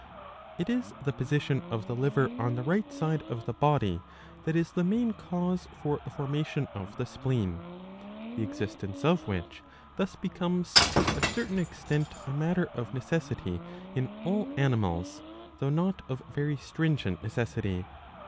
^ It is the position of the liver on the right side of the body that is the main cause for the formation of the spleen ; the existence of which thus becomes to a certain extent a matter of necessity in all animals, though not of very stringent necessity.